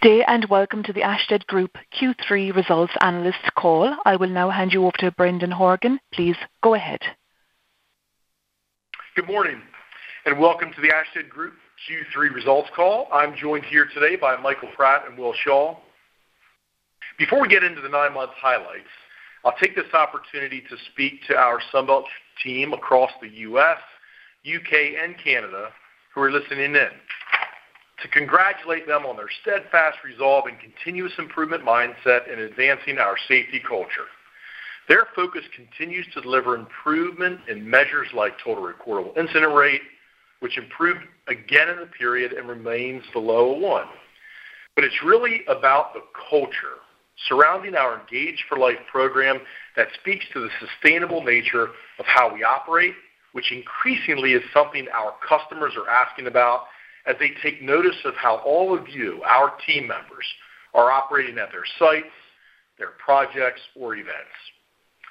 Good day, and welcome to the Ashtead Group Q3 Results analyst call. I will now hand you over to Brendan Horgan. Please go ahead. Good morning, and welcome to the Ashtead Group Q3 results call. I'm joined here today by Michael Pratt and Will Shaw. Before we get into the nine-month highlights, I'll take this opportunity to speak to our Sunbelt team across the U.S., U.K., and Canada who are listening in to congratulate them on their steadfast resolve and continuous improvement mindset in advancing our safety culture. Their focus continues to deliver improvement in measures like total recordable incident rate, which improved again in the period and remains below one. It's really about the culture surrounding our Engage for Life program that speaks to the sustainable nature of how we operate, which increasingly is something our customers are asking about as they take notice of how all of you, our team members, are operating at their sites, their projects, or events.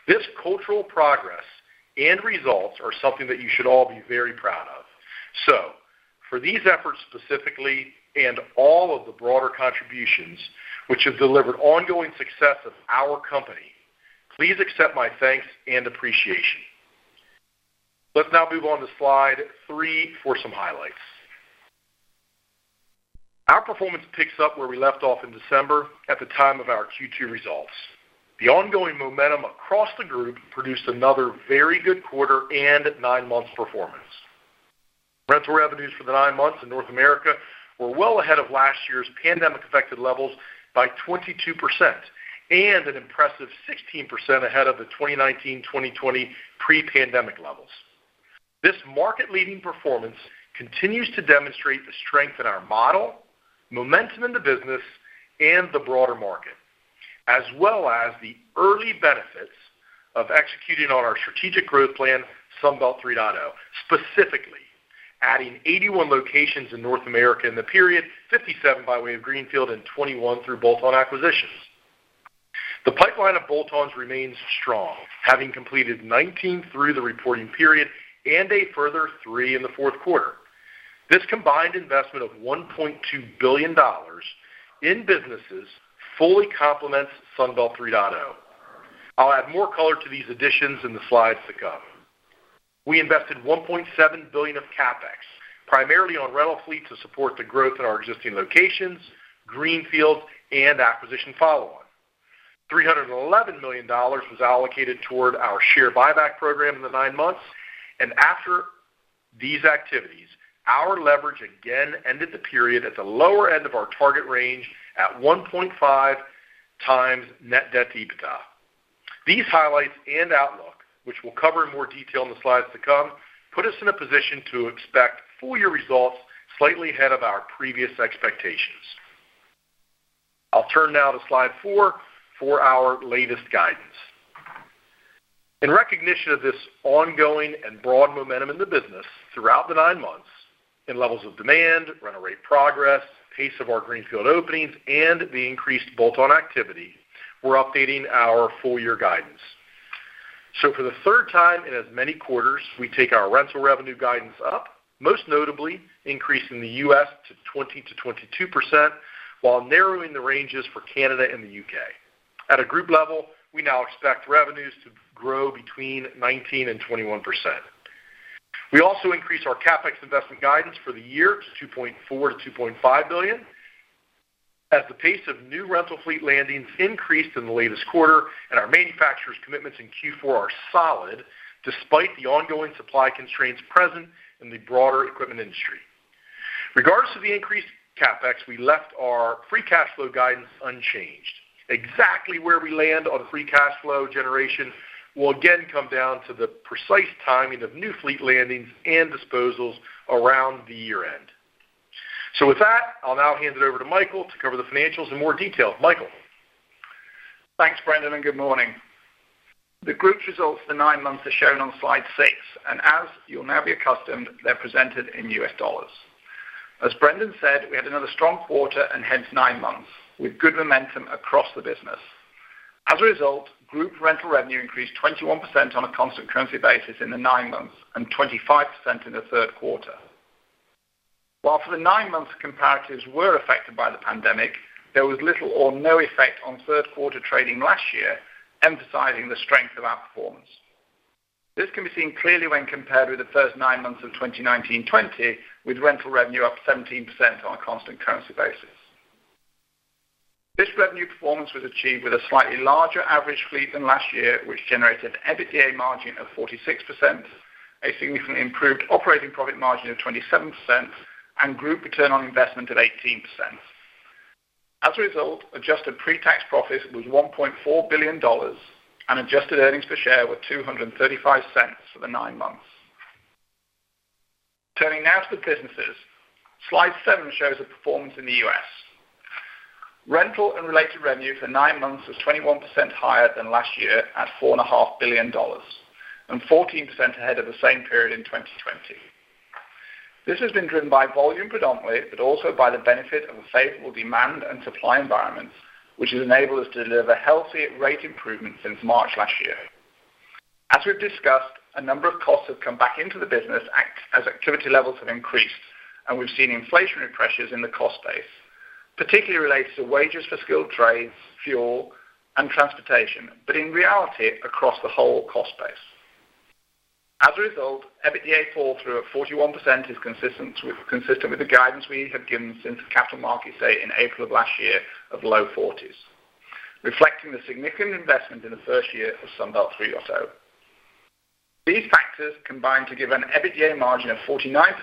This cultural progress and results are something that you should all be very proud of. For these efforts specifically, and all of the broader contributions which have delivered ongoing success of our company, please accept my thanks and appreciation. Let's now move on to slide three for some highlights. Our performance picks up where we left off in December at the time of our Q2 results. The ongoing momentum across the group produced another very good quarter and nine months performance. Rental revenues for the nine months in North America were well ahead of last year's pandemic-affected levels by 22% and an impressive 16% ahead of the 2019, 2020 pre-pandemic levels. This market-leading performance continues to demonstrate the strength in our model, momentum in the business and the broader market. As well as the early benefits of executing on our strategic growth plan, Sunbelt 3.0, specifically adding 81 locations in North America in the period, 57 by way of greenfield and 21 through bolt-on acquisitions. The pipeline of bolt-ons remains strong, having completed 19 through the reporting period and a further 3 in the fourth quarter. This combined investment of $1.2 billion in businesses fully complements Sunbelt 3.0. I'll add more color to these additions in the slides to come. We invested $1.7 billion of CapEx, primarily on rental fleet to support the growth in our existing locations, greenfields and acquisition follow on. $311 million was allocated toward our share buyback program in the nine months. After these activities, our leverage again ended the period at the lower end of our target range at 1.5 times net debt to EBITDA. These highlights and outlook, which we'll cover in more detail in the slides to come, put us in a position to expect full-year results slightly ahead of our previous expectations. I'll turn now to slide 4 for our latest guidance. In recognition of this ongoing and broad momentum in the business throughout the nine months in levels of demand, rental rate progress, pace of our greenfield openings, and the increased bolt-on activity, we're updating our full-year guidance. For the third time in as many quarters, we take our rental revenue guidance up, most notably increasing the U.S. to 20%-22%, while narrowing the ranges for Canada and the U.K. At a group level, we now expect revenues to grow between 19% and 21%. We also increase our CapEx investment guidance for the year to $2.4 billion-$2.5 billion, as the pace of new rental fleet landings increased in the latest quarter and our manufacturers commitments in Q4 are solid despite the ongoing supply constraints present in the broader equipment industry. Regardless of the increased CapEx, we left our free cash flow guidance unchanged. Exactly where we land on free cash flow generation will again come down to the precise timing of new fleet landings and disposals around the year-end. With that, I'll now hand it over to Michael to cover the financials in more detail. Michael. Thanks, Brendan, and good morning. The group's results for the nine months are shown on slide six, and as you'll now be accustomed, they're presented in US dollars. As Brendan said, we had another strong quarter and hence nine months with good momentum across the business. As a result, group rental revenue increased 21% on a constant currency basis in the nine months and 25% in the third quarter. While for the 9 months comparatives were affected by the pandemic, there was little or no effect on third quarter trading last year, emphasizing the strength of our performance. This can be seen clearly when compared with the first nine months of 2019, 2020, with rental revenue up 17% on a constant currency basis. This revenue performance was achieved with a slightly larger average fleet than last year, which generated EBITDA margin of 46%, a significantly improved operating profit margin of 27% and group return on investment of 18%. As a result, adjusted pre-tax profits was $1.4 billion and adjusted earnings per share were $2.35 for the nine months. Turning now to the businesses. Slide seven shows the performance in the U.S. Rental and related revenue for nine months was 21% higher than last year at $4.5 billion and 14% ahead of the same period in 2020. This has been driven by volume predominantly, but also by the benefit of a favorable demand and supply environment, which has enabled us to deliver healthy rate improvement since March last year. As we've discussed, a number of costs have come back into the business, as activity levels have increased, and we've seen inflationary pressures in the cost base, particularly related to wages for skilled trades, fuel, and transportation, but in reality, across the whole cost base. As a result, EBITDA flow-through of 41% is consistent with the guidance we have given since the Capital Markets Day in April of last year of low 40s%, reflecting the significant investment in the first year of Sunbelt 3.0. These factors combined to give an EBITDA margin of 49%,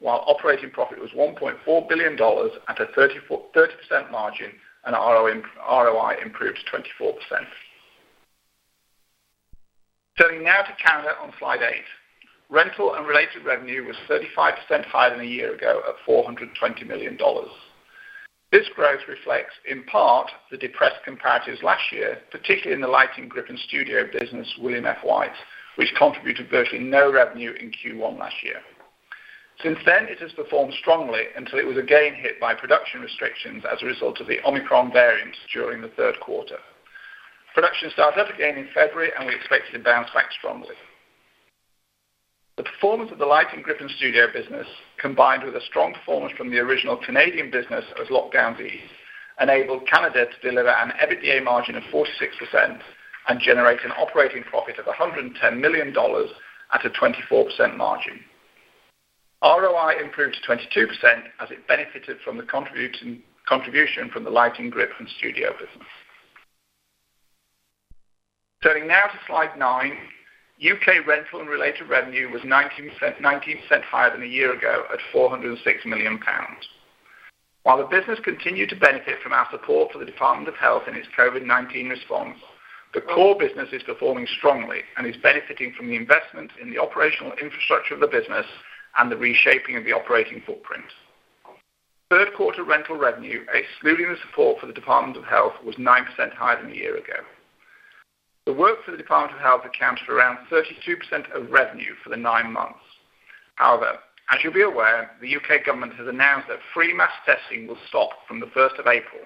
while operating profit was $1.4 billion at a 34% margin and ROI improved to 24%. Turning now to Canada on slide eight. Rental and related revenue was 35% higher than a year ago at $420 million. This growth reflects, in part, the depressed comparatives last year, particularly in the lighting grip and studio business, William F. White, which contributed virtually no revenue in Q1 last year. Since then, it has performed strongly until it was again hit by production restrictions as a result of the Omicron variant during the third quarter. Production started up again in February, and we expect it to bounce back strongly. The performance of the light and grip and studio business, combined with a strong performance from the original Canadian business as lockdown eased, enabled Canada to deliver an EBITDA margin of 46% and generate an operating profit of $110 million at a 24% margin. ROI improved to 22% as it benefited from the contribution from the lighting grip and studio business. Turning now to slide nine. U.K. rental and related revenue was 19% higher than a year ago at 406 million pounds. While the business continued to benefit from our support for the Department of Health in its COVID-19 response, the core business is performing strongly and is benefiting from the investment in the operational infrastructure of the business and the reshaping of the operating footprint. Third quarter rental revenue, excluding the support for the Department of Health, was 9% higher than a year ago. The work for the Department of Health accounted for around 32% of revenue for the nine months. However, as you'll be aware, the U.K. government has announced that free mass testing will stop from the first of April,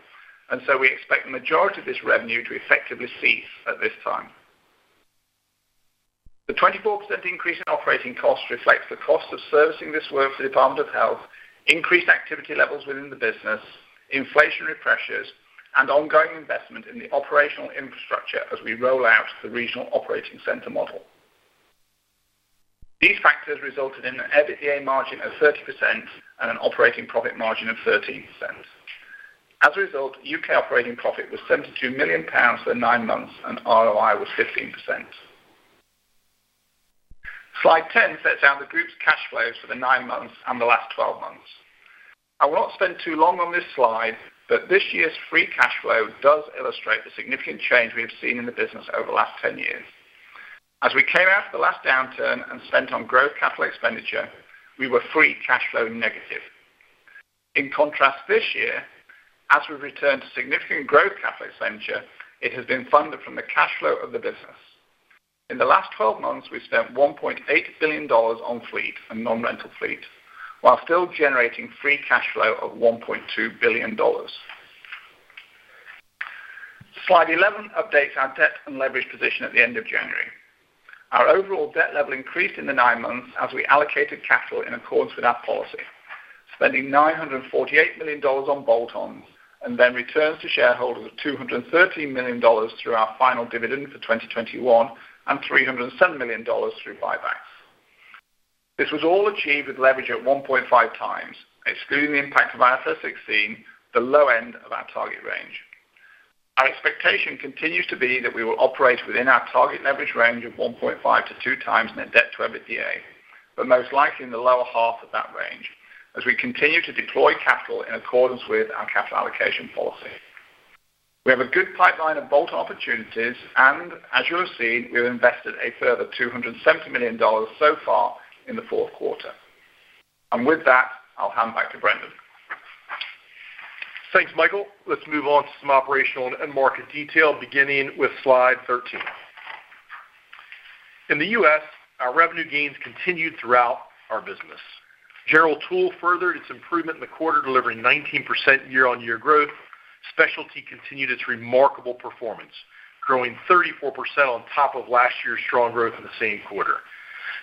and so we expect the majority of this revenue to effectively cease at this time. The 24% increase in operating costs reflects the cost of servicing this work for the Department of Health, increased activity levels within the business, inflationary pressures, and ongoing investment in the operational infrastructure as we roll out the regional operating center model. These factors resulted in an EBITDA margin of 30% and an operating profit margin of 13%. As a result, UK operating profit was 72 million pounds for nine months, and ROI was 15%. Slide 10 sets out the group's cash flows for the nine months and the last twelve months. I won't spend too long on this slide, but this year's free cash flow does illustrate the significant change we have seen in the business over the last ten years. As we came out of the last downturn and spent on growth capital expenditure, we were free cash flow negative. In contrast, this year, as we've returned to significant growth capital expenditure, it has been funded from the cash flow of the business. In the last twelve months, we've spent $1.8 billion on fleet and non-rental fleet while still generating free cash flow of $1.2 billion. Slide 11 updates our debt and leverage position at the end of January. Our overall debt level increased in the nine months as we allocated capital in accordance with our policy, spending $948 million on bolt-ons, and then returns to shareholders of $213 million through our final dividend for 2021, and $307 million through buybacks. This was all achieved with leverage at 1.5 times, excluding the impact of IFRS 16, the low end of our target range. Our expectation continues to be that we will operate within our target leverage range of 1.5-2 times net debt to EBITDA, but most likely in the lower half of that range as we continue to deploy capital in accordance with our capital allocation policy. We have a good pipeline of bolt-on opportunities, and as you have seen, we've invested a further $270 million so far in the fourth quarter. With that, I'll hand back to Brendan. Thanks, Michael. Let's move on to some operational and market detail, beginning with slide 13. In the U.S., our revenue gains continued throughout our business. General Tool furthered its improvement in the quarter, delivering 19% year-on-year growth. Specialty continued its remarkable performance, growing 34% on top of last year's strong growth in the same quarter.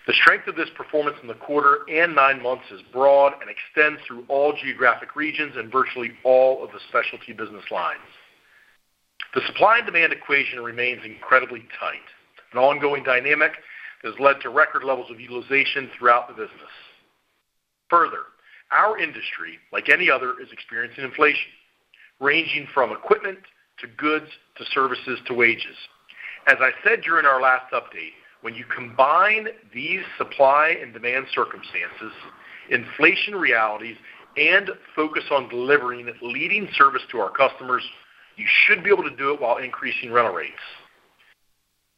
The strength of this performance in the quarter and 9 months is broad and extends through all geographic regions and virtually all of the specialty business lines. The supply and demand equation remains incredibly tight, an ongoing dynamic that has led to record levels of utilization throughout the business. Further, our industry, like any other, is experiencing inflation, ranging from equipment to goods to services to wages. As I said during our last update, when you combine these supply and demand circumstances, inflation realities, and focus on delivering leading service to our customers, you should be able to do it while increasing rental rates.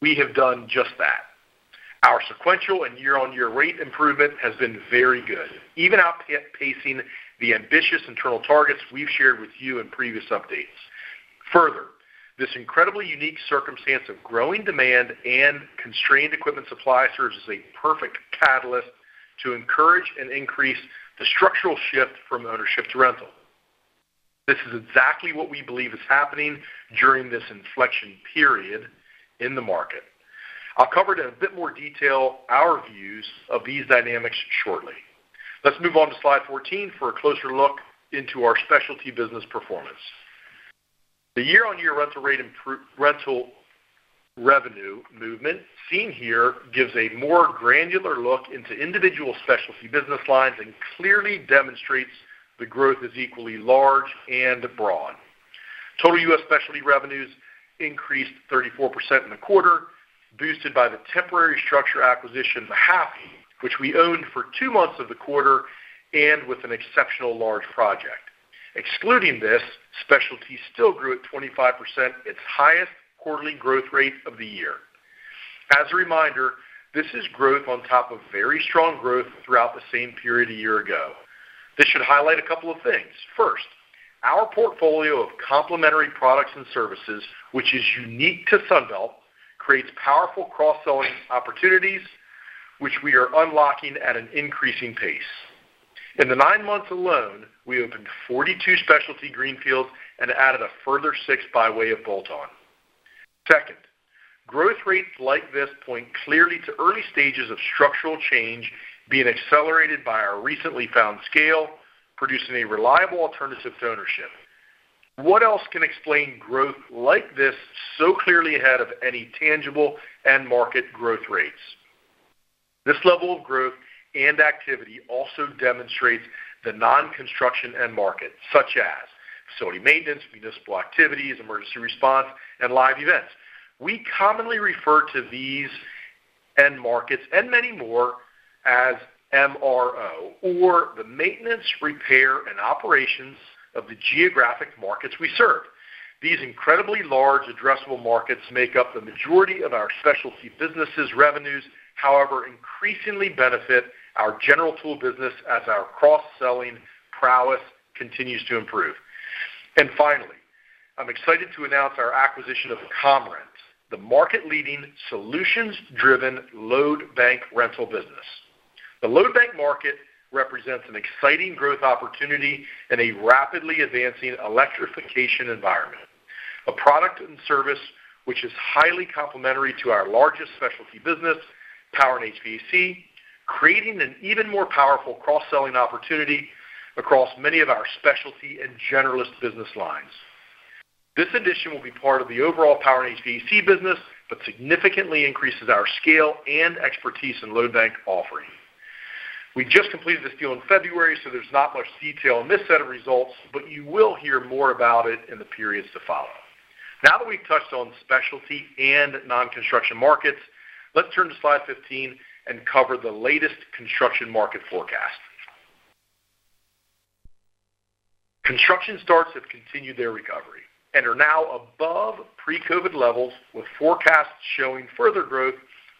We have done just that. Our sequential and year-on-year rate improvement has been very good, even outpacing the ambitious internal targets we've shared with you in previous updates. Further, this incredibly unique circumstance of growing demand and constrained equipment supply serves as a perfect catalyst to encourage and increase the structural shift from ownership to rental. This is exactly what we believe is happening during this inflection period in the market. I'll cover it in a bit more detail our views of these dynamics shortly. Let's move on to slide 14 for a closer look into our specialty business performance. The year-on-year rental revenue movement seen here gives a more granular look into individual specialty business lines and clearly demonstrates the growth is equally large and broad. Total U.S. specialty revenues increased 34% in the quarter, boosted by the temporary structure acquisition, Mahaffey, which we owned for two months of the quarter and with an exceptional large project. Excluding this, specialty still grew at 25%, its highest quarterly growth rate of the year. As a reminder, this is growth on top of very strong growth throughout the same period a year ago. This should highlight a couple of things. First, our portfolio of complementary products and services, which is unique to Sunbelt, creates powerful cross-selling opportunities, which we are unlocking at an increasing pace. In the nine months alone, we opened 42 specialty greenfields and added a further six by way of bolt-on. Second, growth rates like this point clearly to early stages of structural change being accelerated by our recently found scale, producing a reliable alternative to ownership. What else can explain growth like this so clearly ahead of any tangible end market growth rates? This level of growth and activity also demonstrates the non-construction end market, such as facility maintenance, municipal activities, emergency response, and live events. We commonly refer to these end markets and many more as MRO, or the maintenance, repair, and operations of the geographic markets we serve. These incredibly large addressable markets make up the majority of our specialty businesses' revenues, however, increasingly benefit our general tool business as our cross-selling prowess continues to improve. Finally, I'm excited to announce our acquisition of ComRent, the market-leading, solutions-driven load bank rental business. The load bank market represents an exciting growth opportunity in a rapidly advancing electrification environment. A product and service which is highly complementary to our largest specialty business, Power & HVAC, creating an even more powerful cross-selling opportunity across many of our specialty and generalist business lines. This addition will be part of the overall Power & HVAC business, but significantly increases our scale and expertise in load bank offering. We just completed this deal in February, so there's not much detail in this set of results, but you will hear more about it in the periods to follow. Now that we've touched on specialty and non-construction markets, let's turn to slide 15 and cover the latest construction market forecast. Construction starts have continued their recovery and are now above pre-COVID-19 levels, with forecasts showing further growth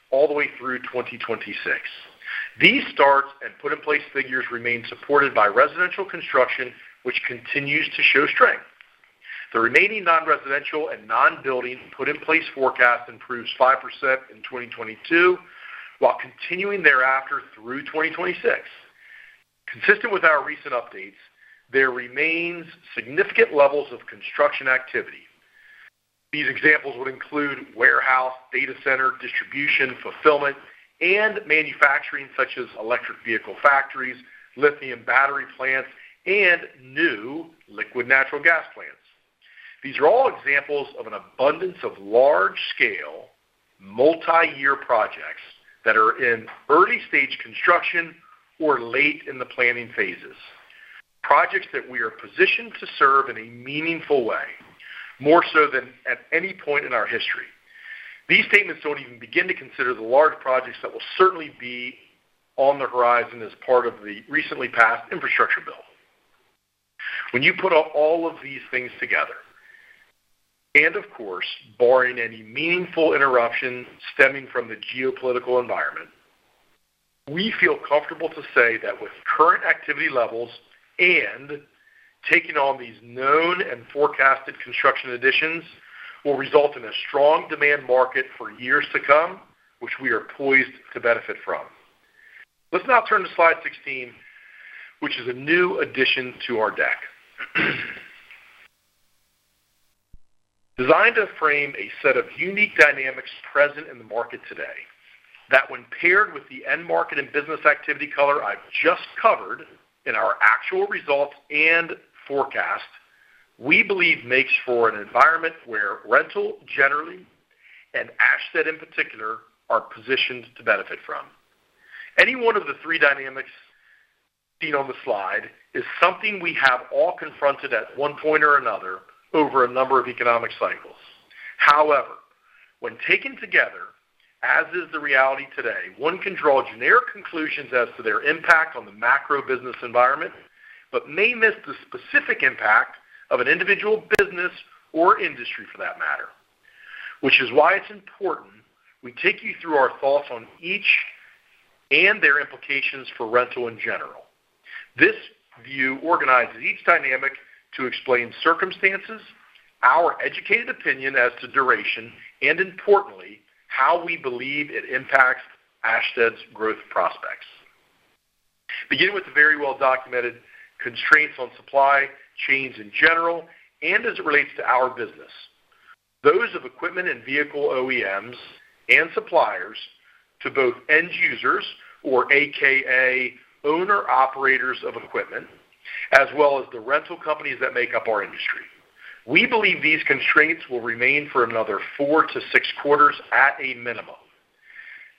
all the way through 2026. These starts and put in place figures remain supported by residential construction, which continues to show strength. The remaining non-residential and non-building put in place forecast improves 5% in 2022 while continuing thereafter through 2026. Consistent with our recent updates, there remains significant levels of construction activity. These examples would include warehouse, data center, distribution, fulfillment, and manufacturing such as electric vehicle factories, lithium battery plants, and new liquid natural gas plants. These are all examples of an abundance of large-scale multi-year projects that are in early stage construction or late in the planning phases. Projects that we are positioned to serve in a meaningful way, more so than at any point in our history. These statements don't even begin to consider the large projects that will certainly be on the horizon as part of the recently passed infrastructure bill. When you put all of these things together, and of course, barring any meaningful interruption stemming from the geopolitical environment, we feel comfortable to say that with current activity levels and taking on these known and forecasted construction additions will result in a strong demand market for years to come, which we are poised to benefit from. Let's now turn to slide 16, which is a new addition to our deck, designed to frame a set of unique dynamics present in the market today that when paired with the end market and business activity color I've just covered in our actual results and forecast, we believe makes for an environment where rental generally and Ashtead in particular are positioned to benefit from. Any one of the three dynamics seen on the slide is something we have all confronted at one point or another over a number of economic cycles. However, when taken together, as is the reality today, one can draw generic conclusions as to their impact on the macro business environment, but may miss the specific impact of an individual business or industry for that matter. Which is why it's important we take you through our thoughts on each and their implications for rental in general. This view organizes each dynamic to explain circumstances, our educated opinion as to duration, and importantly, how we believe it impacts Ashtead's growth prospects. Beginning with the very well-documented constraints on supply chains in general and as it relates to our business, those of equipment and vehicle OEMs and suppliers to both end users or AKA owner operators of equipment, as well as the rental companies that make up our industry. We believe these constraints will remain for another 4-6 quarters at a minimum.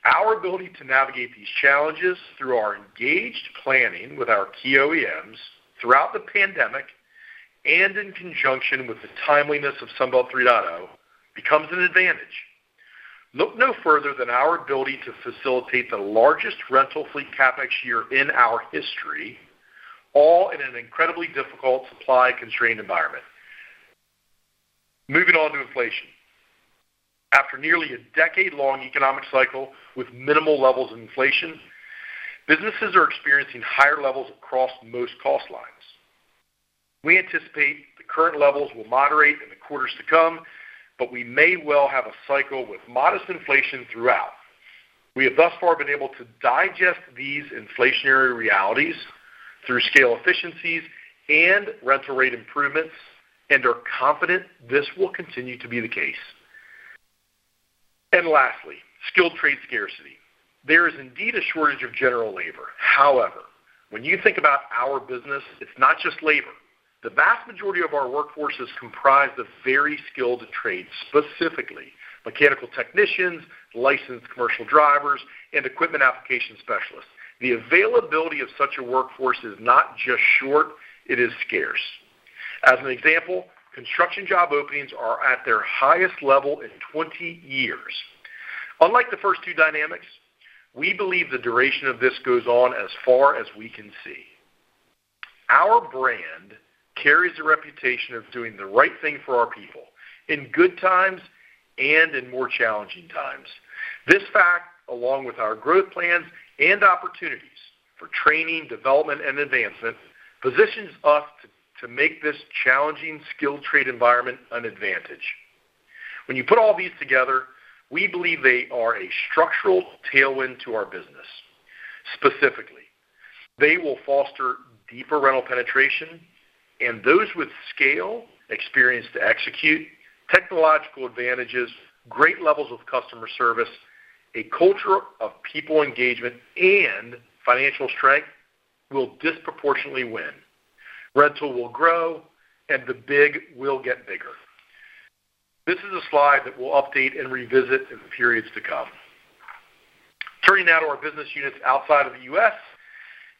Our ability to navigate these challenges through our engaged planning with our key OEMs throughout the pandemic and in conjunction with the timeliness of Sunbelt 3.0, becomes an advantage. Look no further than our ability to facilitate the largest rental fleet CapEx year in our history, all in an incredibly difficult supply constrained environment. Moving on to inflation. After nearly a decade-long economic cycle with minimal levels of inflation, businesses are experiencing higher levels across most cost lines. We anticipate the current levels will moderate in the quarters to come, but we may well have a cycle with modest inflation throughout. We have thus far been able to digest these inflationary realities through scale efficiencies and rental rate improvements and are confident this will continue to be the case. Lastly, skilled trade scarcity. There is indeed a shortage of general labor. However, when you think about our business, it's not just labor. The vast majority of our workforce is comprised of very skilled trades, specifically mechanical technicians, licensed commercial drivers, and equipment application specialists. The availability of such a workforce is not just short, it is scarce. As an example, construction job openings are at their highest level in 20 years. Unlike the first two dynamics, we believe the duration of this goes on as far as we can see. Our brand carries a reputation of doing the right thing for our people in good times and in more challenging times. This fact, along with our growth plans and opportunities for training, development, and advancement, positions us to make this challenging skilled trade environment an advantage. When you put all these together, we believe they are a structural tailwind to our business. Specifically, they will foster deeper rental penetration and those with scale, experience to execute, technological advantages, great levels of customer service, a culture of people engagement and financial strength will disproportionately win. Rental will grow and the big will get bigger. This is a slide that we'll update and revisit in the periods to come. Turning now to our business units outside of the U.S.,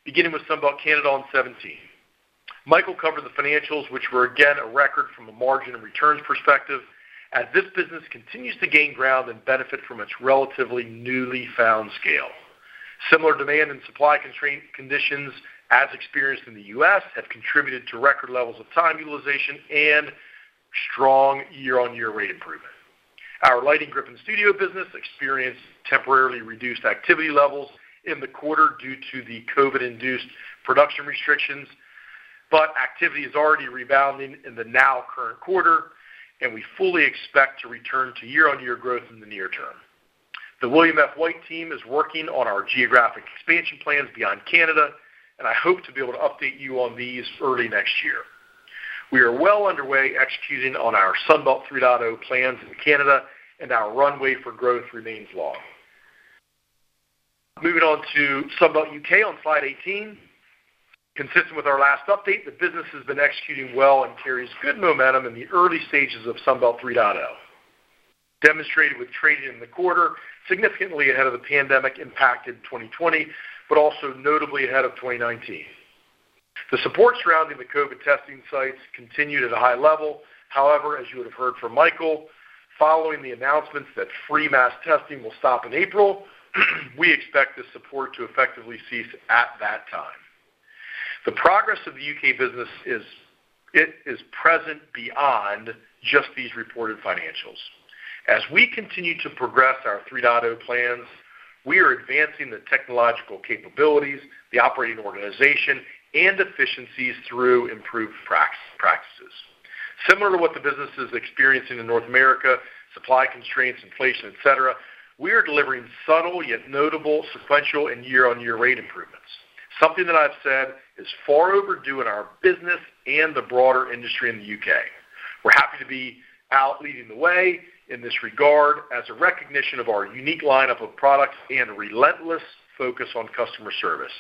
beginning with Sunbelt Canada on 17. Michael covered the financials, which were again a record from a margin and returns perspective as this business continues to gain ground and benefit from its relatively newly found scale. Similar demand and supply constraint conditions as experienced in the U.S. have contributed to record levels of time utilization and strong year-on-year rate improvement. Our lighting grip and studio business experienced temporarily reduced activity levels in the quarter due to the COVID-induced production restrictions, but activity is already rebounding in the now current quarter, and we fully expect to return to year-on-year growth in the near term. The William F White team is working on our geographic expansion plans beyond Canada, and I hope to be able to update you on these early next year. We are well underway executing on our Sunbelt 3.0 plans in Canada, and our runway for growth remains long. Moving on to Sunbelt UK on slide 18. Consistent with our last update, the business has been executing well and carries good momentum in the early stages of Sunbelt 3.0. Demonstrated with trade in the quarter, significantly ahead of the pandemic impacted 2020, but also notably ahead of 2019. The support surrounding the COVID testing sites continued at a high level. However, as you would have heard from Michael, following the announcements that free mass testing will stop in April, we expect the support to effectively cease at that time. The progress of the U.K. business is present beyond just these reported financials. As we continue to progress our 3.0 plans, we are advancing the technological capabilities, the operating organization, and efficiencies through improved practices. Similar to what the business is experiencing in North America, supply constraints, inflation, etc., we are delivering subtle yet notable sequential and year-on-year rate improvements. Something that I've said is far overdue in our business and the broader industry in the U.K. We're happy to be out leading the way in this regard as a recognition of our unique lineup of products and relentless focus on customer service.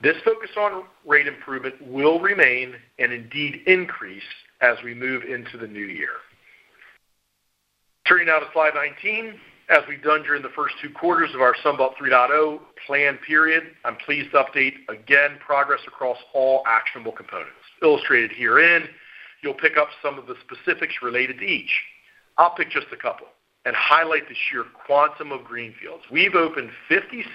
This focus on rate improvement will remain and indeed increase as we move into the new year. Turning now to slide 19. As we've done during the first two quarters of our Sunbelt 3.0 plan period, I'm pleased to update again progress across all actionable components. Illustrated herein, you'll pick up some of the specifics related to each. I'll pick just a couple and highlight the sheer quantum of greenfields. We've opened 57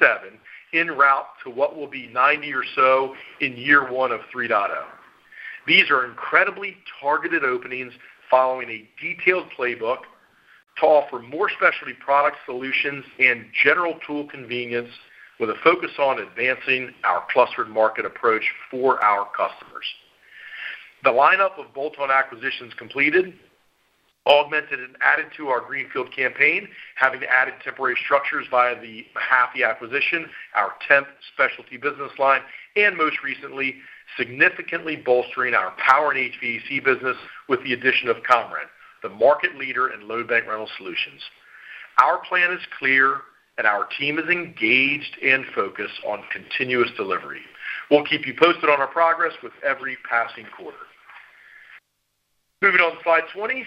en route to what will be 90 or so in year one of 3.0. These are incredibly targeted openings following a detailed playbook to offer more specialty product solutions and general tool convenience with a focus on advancing our clustered market approach for our customers. The lineup of bolt-on acquisitions completed, augmented and added to our greenfield campaign, having added temporary structures via the Mahaffey acquisition, our 10th specialty business line, and most recently, significantly bolstering our power and HVAC business with the addition of ComRent, the market leader in load bank rental solutions. Our plan is clear, and our team is engaged and focused on continuous delivery. We'll keep you posted on our progress with every passing quarter. Moving on to slide 20.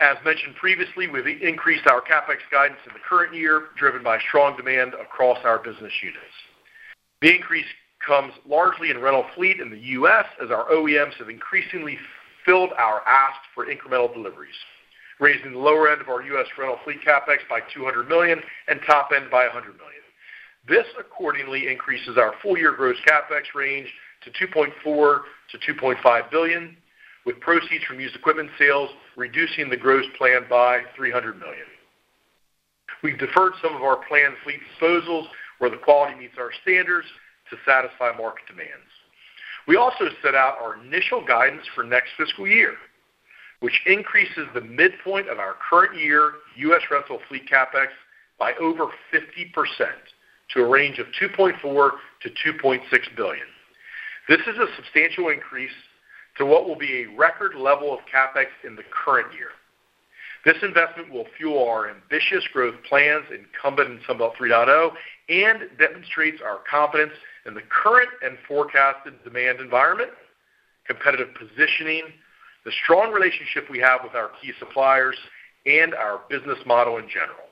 As mentioned previously, we've increased our CapEx guidance in the current year, driven by strong demand across our business units. The increase comes largely in rental fleet in the U.S. as our OEMs have increasingly filled our asks for incremental deliveries, raising the lower end of our U.S. rental fleet CapEx by $200 million and top end by $100 million. This accordingly increases our full-year gross CapEx range to $2.4 billion-$2.5 billion, with proceeds from used equipment sales reducing the gross plan by $300 million. We've deferred some of our planned fleet disposals where the quality meets our standards to satisfy market demands. We also set out our initial guidance for next fiscal year, which increases the midpoint of our current year U.S. rental fleet CapEx by over 50% to a range of $2.4 billion-$2.6 billion. This is a substantial increase to what will be a record level of CapEx in the current year. This investment will fuel our ambitious growth plans inherent in Sunbelt 3.0 and demonstrates our confidence in the current and forecasted demand environment, competitive positioning, the strong relationship we have with our key suppliers, and our business model in general.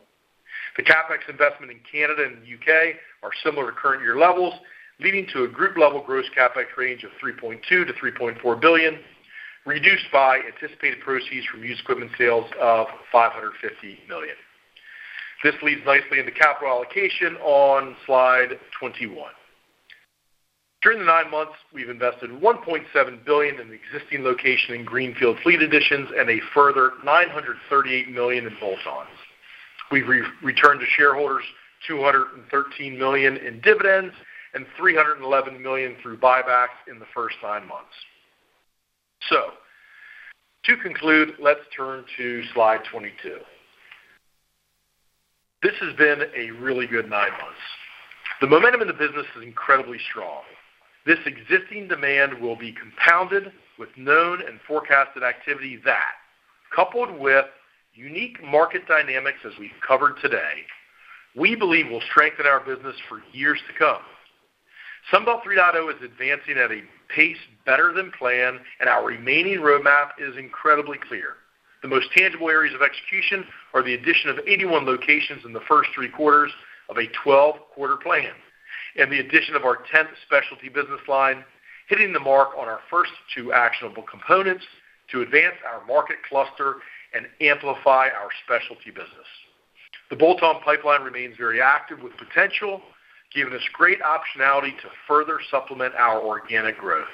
The CapEx investment in Canada and the U.K. are similar to current year levels, leading to a group-level gross CapEx range of $3.2 billion-$3.4 billion, reduced by anticipated proceeds from used equipment sales of $550 million. This leads nicely into capital allocation on slide 21. During the 9 months, we've invested $1.7 billion in existing locations and greenfield fleet additions and a further $938 million in bolt-ons. We've returned to shareholders $213 million in dividends and $311 million through buybacks in the first 9 months. To conclude, let's turn to slide 22. This has been a really good 9 months. The momentum in the business is incredibly strong. This existing demand will be compounded with known and forecasted activity that, coupled with unique market dynamics as we've covered today, we believe will strengthen our business for years to come. Sunbelt 3.0 is advancing at a pace better than planned, and our remaining roadmap is incredibly clear. The most tangible areas of execution are the addition of 81 locations in the first 3 quarters of a 12-quarter plan and the addition of our 10th specialty business line, hitting the mark on our first two actionable components to advance our market cluster and amplify our specialty business. The bolt-on pipeline remains very active with potential, giving us great optionality to further supplement our organic growth.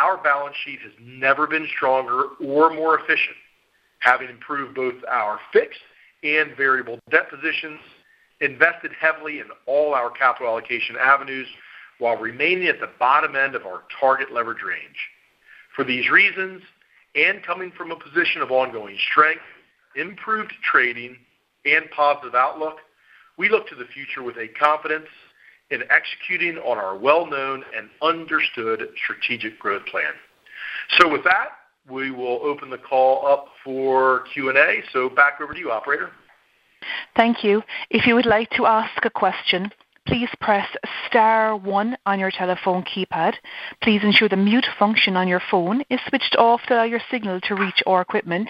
Our balance sheet has never been stronger or more efficient, having improved both our fixed and variable debt positions, invested heavily in all our capital allocation avenues while remaining at the bottom end of our target leverage range. For these reasons, and coming from a position of ongoing strength, improved trading, and positive outlook, we look to the future with a confidence in executing on our well-known and understood strategic growth plan. With that, we will open the call up for Q&A. Back over to you, operator. Thank you. If you would like to ask a question, please press star one on your telephone keypad. Please ensure the mute function on your phone is switched off to allow your signal to reach our equipment.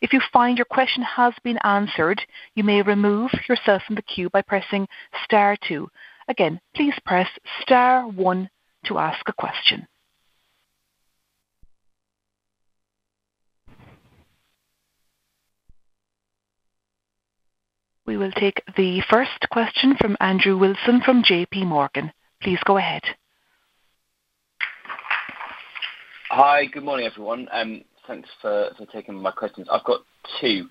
If you find your question has been answered, you may remove yourself from the queue by pressing star two. Again, please press star one to ask a question. We will take the first question from Andrew Wilson from J.P. Morgan. Please go ahead. Hi. Good morning, everyone, and thanks for taking my questions. I've got two.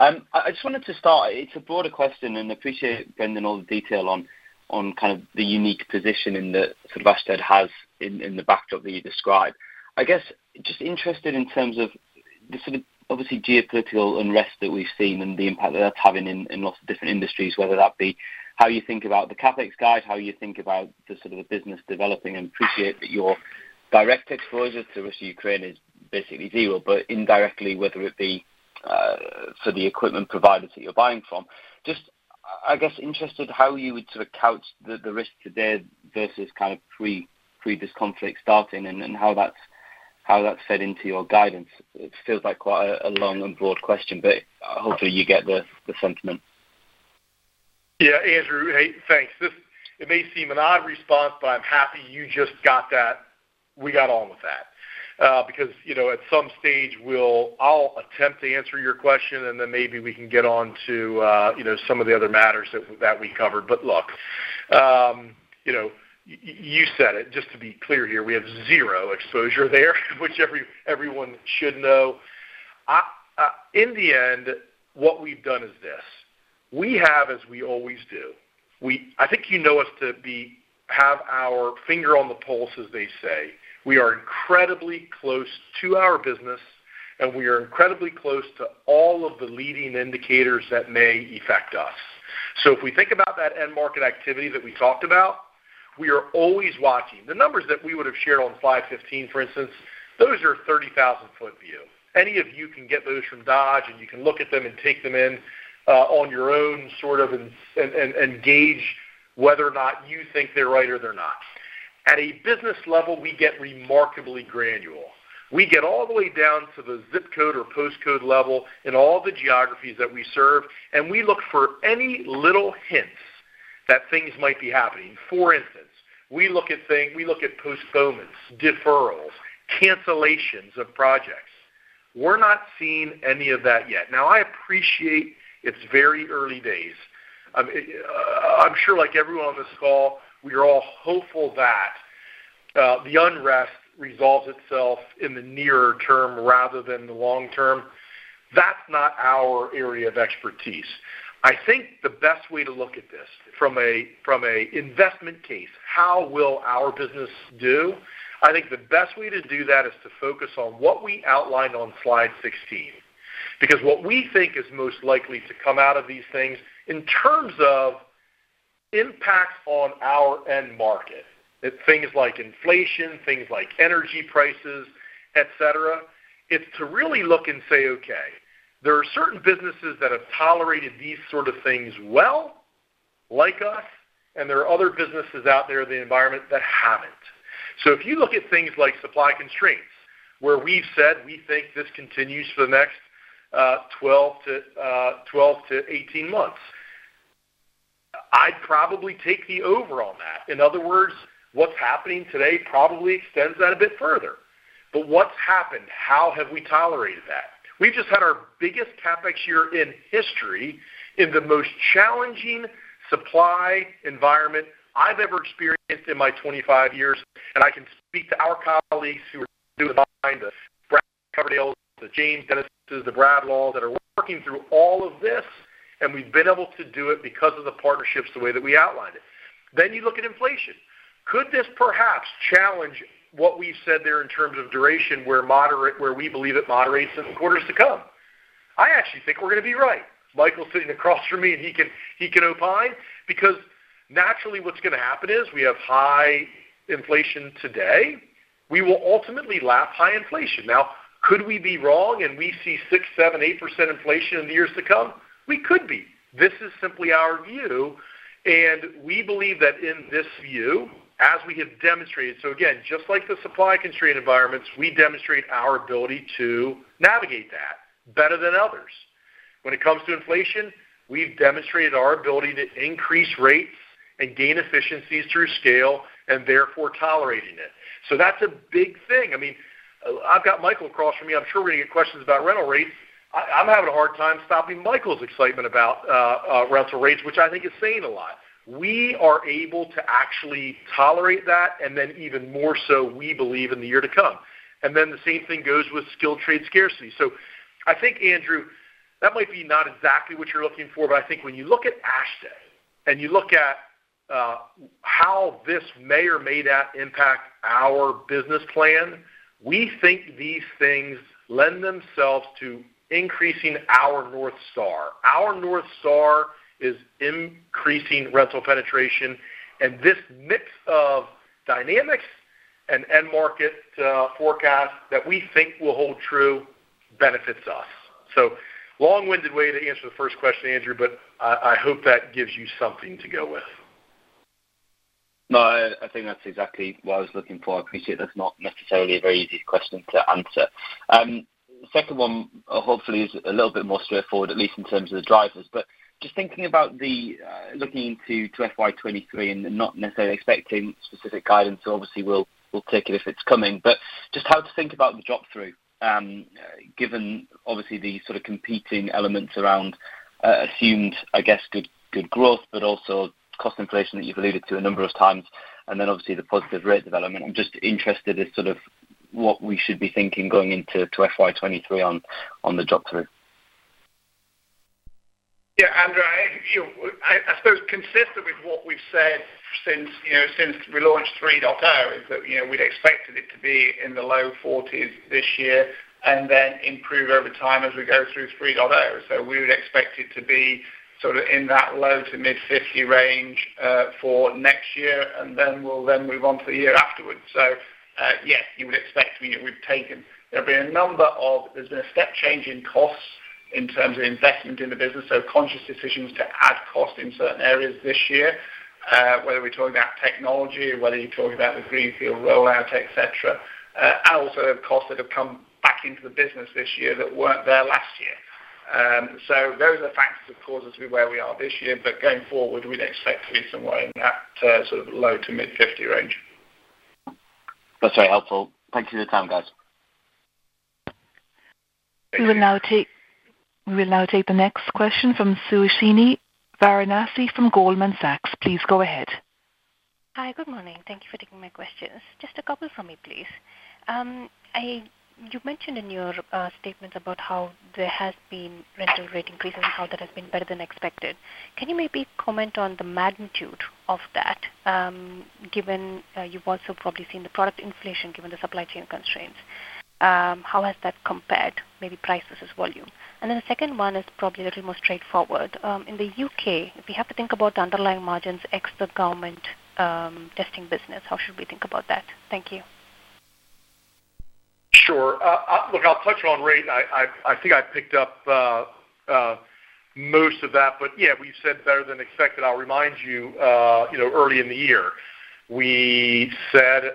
I just wanted to start. It's a broader question. I appreciate, Brendan, all the detail on kind of the unique position in the sort of Ashtead has in the backdrop that you described. I guess just interested in terms of the sort of obviously geopolitical unrest that we've seen and the impact that that's having in lots of different industries, whether that be how you think about the CapEx guide, how you think about the sort of the business developing, and I appreciate that your direct exposure to Russia, Ukraine is basically zero. Indirectly, whether it be for the equipment providers that you're buying from, just I guess interested how you would sort of couch the risk today versus kind of pre this conflict starting and how that's fed into your guidance. It feels like quite a long and broad question, but hopefully you get the sentiment. Yeah. Andrew, hey, thanks. It may seem an odd response, but I'm happy you just got that we got on with that. Because, you know, at some stage, I'll attempt to answer your question, and then maybe we can get on to, you know, some of the other matters that we covered. Look, you know, you said it. Just to be clear here, we have zero exposure there, which everyone should know. In the end, what we've done is this. We have as we always do. I think you know us to have our finger on the pulse, as they say. We are incredibly close to our business, and we are incredibly close to all of the leading indicators that may affect us. If we think about that end market activity that we talked about, we are always watching. The numbers that we would have shared on 5/15, for instance, those are 30,000-foot view. Any of you can get those from Dodge, and you can look at them and take them in on your own sort of and gauge whether or not you think they're right or they're not. At a business level, we get remarkably granular. We get all the way down to the ZIP code or postcode level in all the geographies that we serve, and we look for any little hints that things might be happening. For instance, we look at postponements, deferrals, cancellations of projects. We're not seeing any of that yet. Now, I appreciate it's very early days. I'm sure like everyone on this call, we are all hopeful that the unrest resolves itself in the near term rather than the long term. That's not our area of expertise. I think the best way to look at this from an investment case, how will our business do? I think the best way to do that is to focus on what we outlined on slide 16. Because what we think is most likely to come out of these things in terms of impact on our end market, it's things like inflation, things like energy prices, et cetera. It's to really look and say, okay, there are certain businesses that have tolerated these sort of things well, like us, and there are other businesses out there in the environment that haven't. If you look at things like supply constraints, where we've said we think this continues for the next 12-18 months. I'd probably take the over on that. In other words, what's happening today probably extends that a bit further. What's happened? How have we tolerated that? We've just had our biggest CapEx year in history in the most challenging supply environment I've ever experienced in my 25 years. I can speak to our colleagues who are behind us, Brad Coverdale, James Dennis, Brad Walls that are working through all of this, and we've been able to do it because of the partnerships, the way that we outlined it. You look at inflation. Could this perhaps challenge what we've said there in terms of duration, where we believe it moderates in quarters to come? I actually think we're gonna be right. Michael's sitting across from me, and he can opine because naturally, what's gonna happen is we have high inflation today. We will ultimately lap high inflation. Now, could we be wrong and we see 6, 7, 8% inflation in the years to come? We could be. This is simply our view, and we believe that in this view, as we have demonstrated. Again, just like the supply constraint environments, we demonstrate our ability to navigate that better than others. When it comes to inflation, we've demonstrated our ability to increase rates and gain efficiencies through scale and therefore tolerating it. That's a big thing. I mean, I've got Michael across from me. I'm sure we're gonna get questions about rental rates. I'm having a hard time stopping Michael's excitement about rental rates, which I think is saying a lot. We are able to actually tolerate that, and then even more so, we believe in the year to come. The same thing goes with skilled trade scarcity. I think, Andrew, that might be not exactly what you're looking for, but I think when you look at Ashtead and you look at how this may or may not impact our business plan, we think these things lend themselves to increasing our North Star. Our North Star is increasing rental penetration, and this mix of dynamics and end market forecast that we think will hold true benefits us. Long-winded way to answer the first question, Andrew, but I hope that gives you something to go with. No, I think that's exactly what I was looking for. I appreciate that's not necessarily a very easy question to answer. The second one, hopefully is a little bit more straightforward, at least in terms of the drivers. But just thinking about looking into FY 2023 and not necessarily expecting specific guidance. Obviously, we'll take it if it's coming. But just how to think about the drop-through, given obviously the sort of competing elements around assumed, I guess, good growth, but also cost inflation that you've alluded to a number of times, and then obviously the positive rate development. I'm just interested in sort of what we should be thinking going into FY 2023 on the drop-through. Yeah, Andrew, you know, I suppose consistent with what we've said since we launched 3.0 is that, you know, we'd expected it to be in the low 40s this year and then improve over time as we go through 3.0. We would expect it to be sort of in that low-to-mid 50s range for next year, and then we'll move on for the year afterwards. Yes, you would expect, you know, there's been a step change in costs in terms of investment in the business, so conscious decisions to add cost in certain areas this year, whether we're talking about technology, whether you're talking about the greenfield rollout, et cetera. Costs that have come back into the business this year that weren't there last year. Those are the factors that cause us to be where we are this year. Going forward, we'd expect to be somewhere in that sort of low to mid-50 range. That's very helpful. Thank you for your time, guys. We will now take the next question from Suhasini Varanasi from Goldman Sachs. Please go ahead. Hi, good morning. Thank you for taking my questions. Just a couple for me, please. You mentioned in your statement about how there has been rental rate increases and how that has been better than expected. Can you maybe comment on the magnitude of that, given you've also probably seen the product inflation given the supply chain constraints? How has that compared maybe prices as volume? And then the second one is probably a little more straightforward. In the U.K., if we have to think about the underlying margins, ex the government testing business, how should we think about that? Thank you. Look, I'll touch on rate. I think I picked up most of that, but yeah, we said better than expected. I'll remind you know, early in the year, we said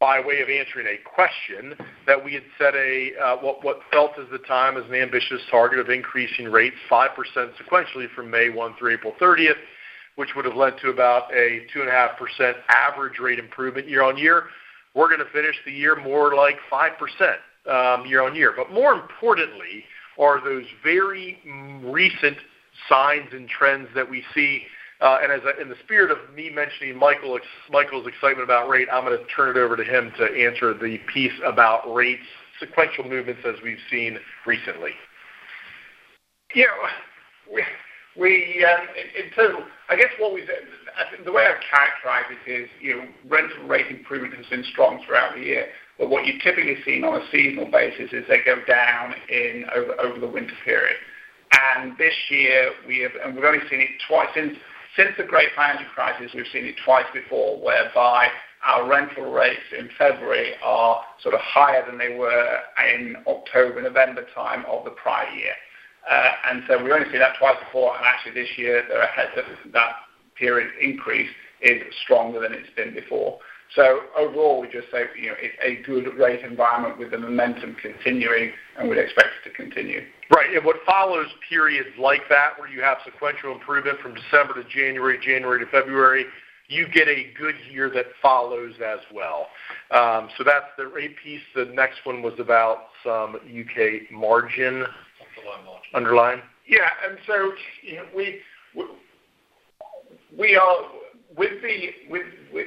by way of answering a question that we had set a what felt at the time as an ambitious target of increasing rates 5% sequentially from May 1 through April 30, which would have led to about a 2.5% average rate improvement year-on-year. We're gonna finish the year more like 5%, year-on-year. But more importantly are those very recent signs and trends that we see. In the spirit of me mentioning Michael's excitement about rates, I'm gonna turn it over to him to answer the piece about rates sequential movements as we've seen recently. Yeah. We in total, I guess what we said, I think the way I'd characterize it is, you know, rental rate improvement has been strong throughout the year. What you've typically seen on a seasonal basis is they go down over the winter period. This year we've only seen it twice since the great financial crisis. We've seen it twice before, whereby our rental rates in February are sort of higher than they were in October, November time of the prior year. We've only seen that twice before, and actually this year they're ahead of that period increase is stronger than it's been before. Overall, we just say, you know, it's a good rate environment with the momentum continuing, and we'd expect it to continue. Right. What follows periods like that, where you have sequential improvement from December to January to February, you get a good year that follows as well. That's the rate piece. The next one was about some U.K. margin. Underlying margin. Underlying. Yeah. You know, we are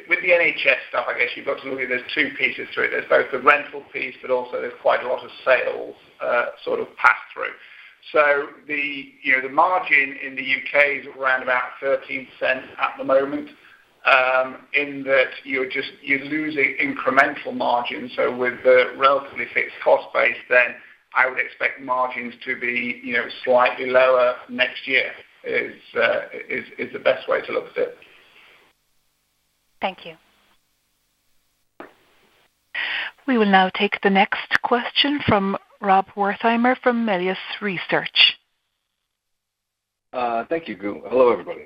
with the NHS stuff. I guess you've got to look at there's two pieces to it. There's both the rental piece, but also there's quite a lot of sales, sort of pass through. You know, the margin in the U.K. is around about 13% at the moment, in that you're just losing incremental margin. With the relatively fixed cost base, I would expect margins to be, you know, slightly lower next year, is the best way to look at it. Thank you. We will now take the next question from Rob Wertheimer from Melius Research. Thank you. Hello, everybody.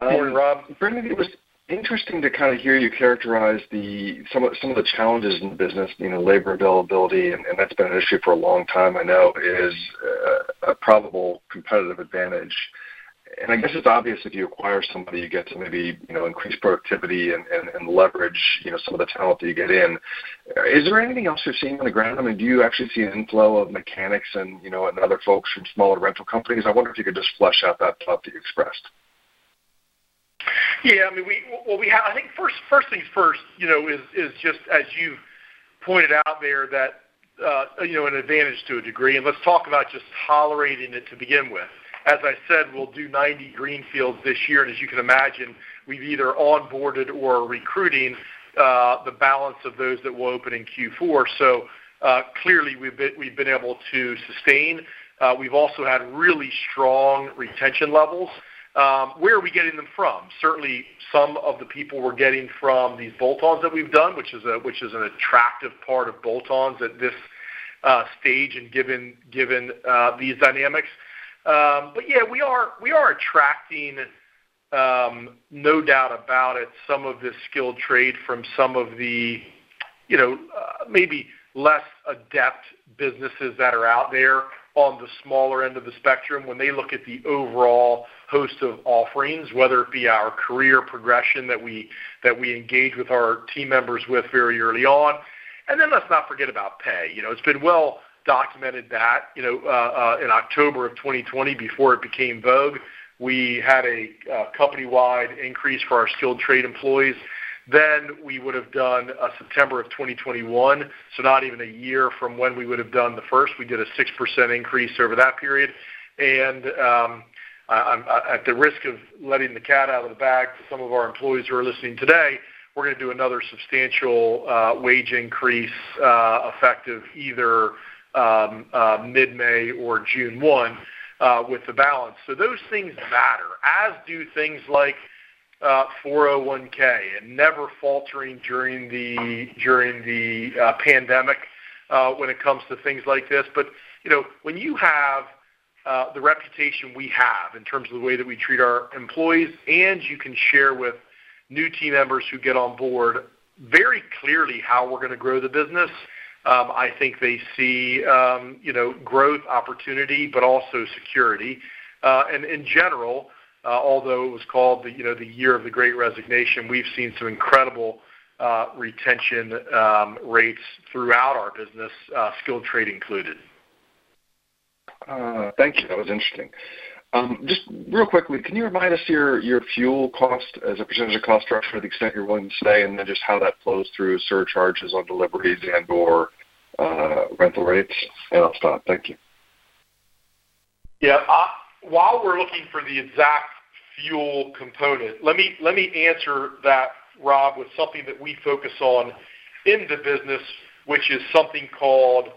Morning, Rob. Brendan, it was interesting to kind of hear you characterize some of the challenges in the business, you know, labor availability, and that's been an issue for a long time. I know is a probable competitive advantage. I guess it's obvious if you acquire somebody, you get to maybe, you know, increase productivity and leverage, you know, some of the talent that you get in. Is there anything else you're seeing on the ground? I mean, do you actually see an inflow of mechanics and, you know, other folks from smaller rental companies? I wonder if you could just flesh out that thought that you expressed. Yeah, I mean, what we have. I think first things first, you know, is just as you pointed out there that, you know, an advantage to a degree, and let's talk about just tolerating it to begin with. As I said, we'll do 90 greenfields this year. As you can imagine, we've either onboarded or are recruiting the balance of those that will open in Q4. Clearly, we've been able to sustain. We've also had really strong retention levels. Where are we getting them from? Certainly, some of the people we're getting from these bolt-ons that we've done, which is an attractive part of bolt-ons at this stage and given these dynamics. Yeah, we are attracting no doubt about it, some of this skilled trade from some of the, you know, maybe less adept businesses that are out there on the smaller end of the spectrum when they look at the overall host of offerings, whether it be our career progression that we engage with our team members with very early on. Let's not forget about pay. You know, it's been well documented that, you know, in October of 2020, before it became vogue, we had a company-wide increase for our skilled trade employees. We would have done September of 2021, so not even a year from when we would have done the first. We did a 6% increase over that period. At the risk of letting the cat out of the bag to some of our employees who are listening today, we're gonna do another substantial wage increase effective either mid-May or June 1 with the balance. Those things matter, as do things like 401 and never faltering during the pandemic when it comes to things like this. You know, when you have the reputation we have in terms of the way that we treat our employees, and you can share with new team members who get on board very clearly how we're gonna grow the business, I think they see you know, growth opportunity, but also security. In general, although it was called the year of the great resignation, you know, we've seen some incredible retention rates throughout our business, skilled trade included. Thank you. That was interesting. Just real quickly, can you remind us your fuel cost as a percentage of cost structure to the extent you're willing to say, and then just how that flows through surcharges on deliveries and/or rental rates? I'll stop. Thank you. Yeah. While we're looking for the exact fuel component, let me answer that, Rob, with something that we focus on in the business, which is something called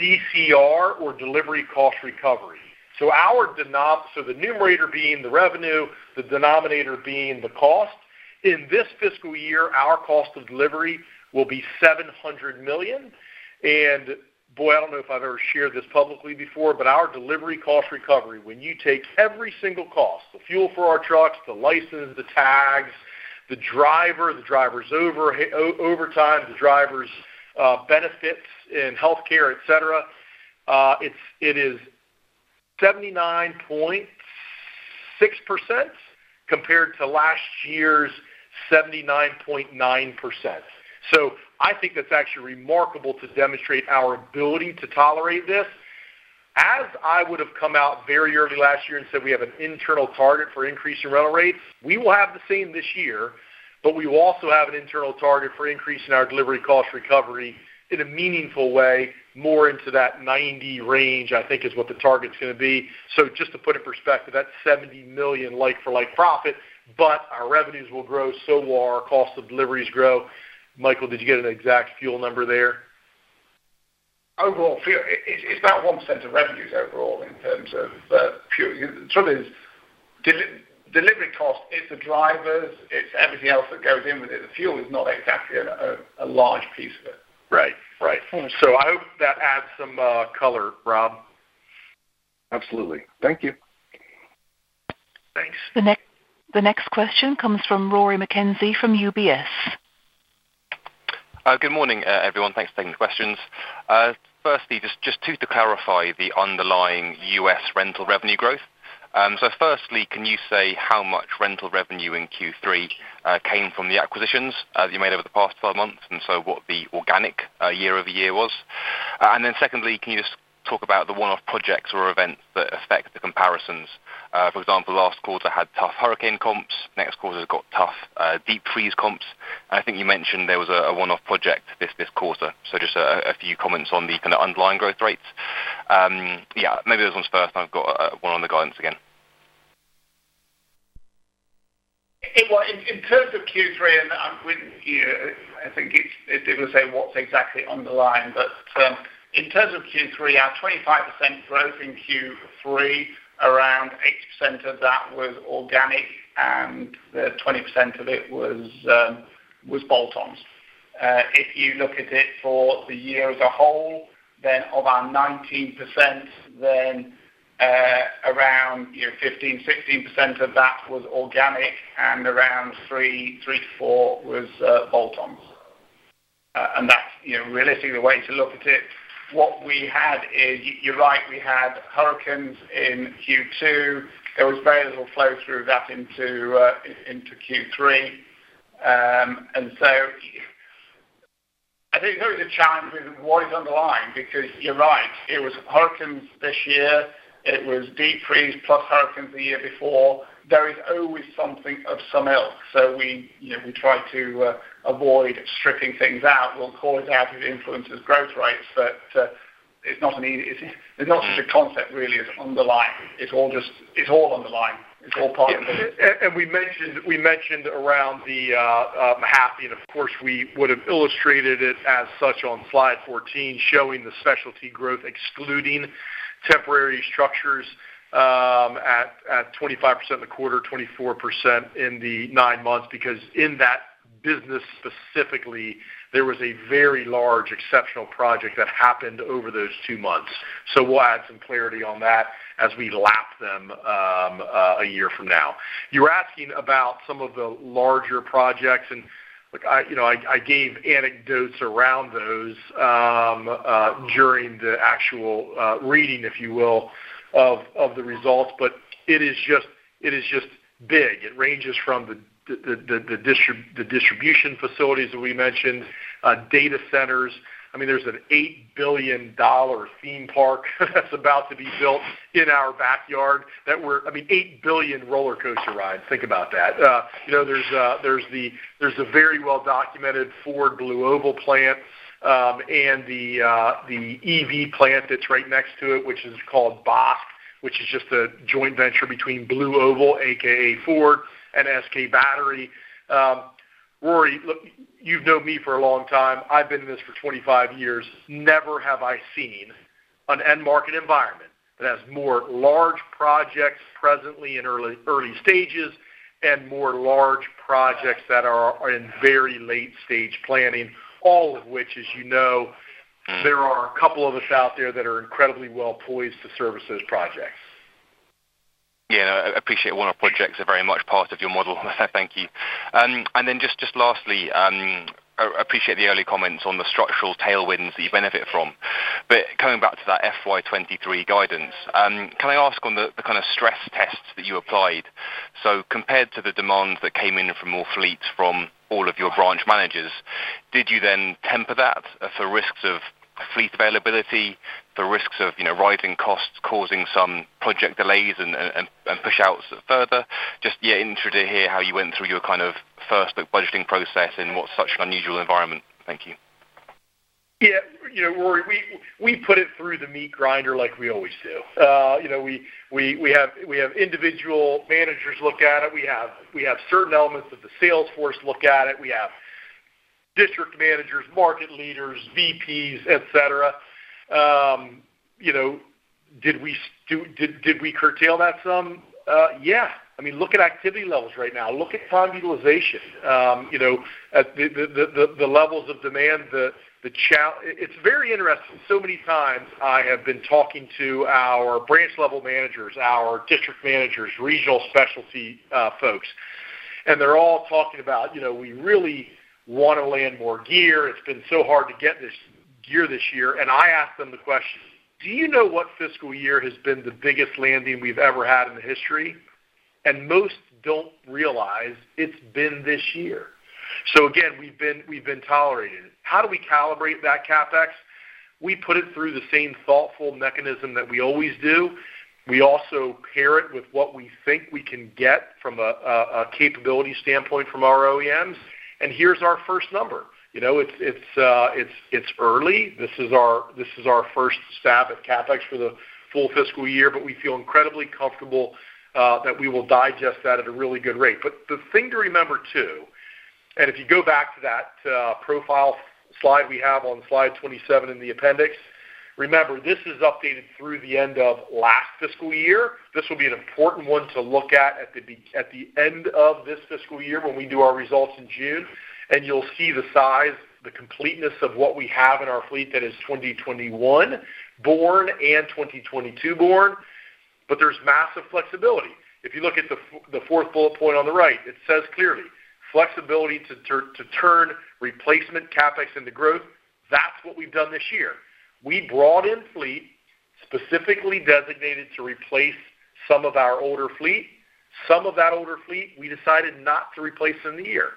DCR or delivery cost recovery. The numerator being the revenue, the denominator being the cost. In this fiscal year, our cost of delivery will be $700 million. Boy, I don't know if I've ever shared this publicly before, but our delivery cost recovery, when you take every single cost, the fuel for our trucks, the license, the tags, the driver, the driver's overtime, the driver's benefits and healthcare, et cetera, it is 79.6% compared to last year's 79.9%. I think that's actually remarkable to demonstrate our ability to tolerate this. As I would have come out very early last year and said we have an internal target for increase in rental rates, we will have the same this year, but we will also have an internal target for increase in our delivery cost recovery in a meaningful way, more into that 90 range, I think is what the target is gonna be. Just to put in perspective, that's $70 million like-for-like profit, but our revenues will grow, so will our cost of deliveries grow. Michael, did you get an exact fuel number there? Overall fuel, it's about 1% of revenues overall in terms of fuel. The trouble is, delivery cost, it's the drivers, it's everything else that goes in with it. The fuel is not exactly a large piece of it. Right. Right. I hope that adds some color, Rob. Absolutely. Thank you. Thanks. The next question comes from Rory McKenzie from UBS. Good morning, everyone. Thanks for taking the questions. Firstly, just to clarify the underlying U.S. rental revenue growth. So firstly, can you say how much rental revenue in Q3 came from the acquisitions you made over the past five months, and so what the organic year-over-year was? And then secondly, can you just talk about the one-off projects or events that affect the comparisons? For example, last quarter had tough hurricane comps, next quarter has got tough deep freeze comps. I think you mentioned there was a one-off project this quarter. So just a few comments on the kinda underlying growth rates. Yeah, maybe those ones first, and I've got one on the guidance again. Well, in terms of Q3, I'm with you, I think it's difficult to say what's exactly on the line. In terms of Q3, our 25% growth in Q3, around 8% of that was organic, and 20% of it was bolt-ons. If you look at it for the year as a whole, of our 19%, around, you know, 15, 16% of that was organic and around 3-4% was bolt-ons. That's, you know, realistically the way to look at it. What we had is. You're right, we had hurricanes in Q2. There was very little flow through that into Q3. I think there is a challenge with what is on the line because you're right, it was hurricanes this year, it was deep freeze plus hurricanes the year before. There is always something of some ilk. We, you know, we try to avoid stripping things out. We'll call it out if it influences growth rates, but it's not an easy. There's no such a concept really as underlying. It's all just, it's all underlying. It's all part of it. We mentioned around the half, and of course, we would have illustrated it as such on slide 14, showing the specialty growth excluding temporary structures at 25% in the quarter, 24% in the nine months. Because in that business specifically, there was a very large exceptional project that happened over those two months. We'll add some clarity on that as we lap them a year from now. You were asking about some of the larger projects, and look, you know, I gave anecdotes around those during the actual reading, if you will, of the results, but it is just big. It ranges from the distribution facilities that we mentioned, data centers. I mean, there's an $8 billion theme park that's about to be built in our backyard. I mean, $8 billion roller coaster rides. Think about that. You know, there's a very well documented Ford BlueOval plant, and the EV plant that's right next to it, which is called BAF, which is just a joint venture between BlueOval, AKA Ford, and SK On. Rory, look, you've known me for a long time. I've been in this for 25 years. Never have I seen an end market environment that has more large projects presently in early stages and more large projects that are in very late stage planning, all of which, as you know, there are a couple of us out there that are incredibly well poised to service those projects. Yeah. I appreciate one-off projects are very much part of your model. Thank you. Just lastly, I appreciate the early comments on the structural tailwinds that you benefit from. Coming back to that FY 2023 guidance, can I ask on the kind of stress tests that you applied. Compared to the demands that came in from more fleets from all of your branch managers, did you then temper that for risks of fleet availability, for risks of, you know, rising costs, causing some project delays and push outs further? Just, yeah, interested to hear how you went through your kind of first budgeting process in such an unusual environment. Thank you. Yeah, you know, Rory, we put it through the meat grinder like we always do. You know, we have individual managers look at it, we have certain elements of the sales force look at it. We have district managers, market leaders, VPs, et cetera. You know, did we curtail that some? Yeah. I mean, look at activity levels right now. Look at time utilization. You know, at the levels of demand. It's very interesting. So many times I have been talking to our branch level managers, our district managers, regional specialty folks, and they're all talking about, you know, we really wanna land more gear. It's been so hard to get this gear this year. I ask them the question, "Do you know what fiscal year has been the biggest landing we've ever had in the history?" Most don't realize it's been this year. We've been tolerating. How do we calibrate that CapEx? We put it through the same thoughtful mechanism that we always do. We also pair it with what we think we can get from a capability standpoint from our OEMs. Here's our first number. It's early. This is our first stab at CapEx for the full fiscal year, but we feel incredibly comfortable that we will digest that at a really good rate. The thing to remember, too, and if you go back to that profile slide we have on slide 27 in the appendix. Remember, this is updated through the end of last fiscal year. This will be an important one to look at at the end of this fiscal year when we do our results in June. You'll see the size, the completeness of what we have in our fleet that is 2021-born and 2022-born. There's massive flexibility. If you look at the fourth bullet point on the right, it says clearly, "Flexibility to turn replacement CapEx into growth." That's what we've done this year. We brought in fleet specifically designated to replace some of our older fleet. Some of that older fleet we decided not to replace in the year.